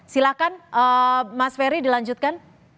silahkan mas ferry dilanjutkan